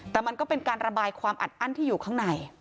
แต่มันก็เป็นการระบายความอัดอั้นที่อยู่ข้างใน